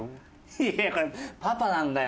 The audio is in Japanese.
いやパパなんだよ。